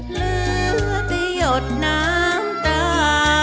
เหลือแต่หยดน้ำตา